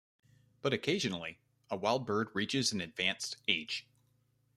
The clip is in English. But occasionally, a wild bird reaches an advanced age.